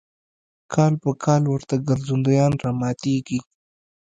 کال په کال ورته ګرځندویان راماتېږي.